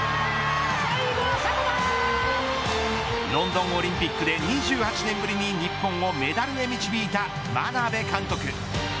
ロンドンオリンピックで２８年ぶりに日本をメダルへ導いた眞鍋監督。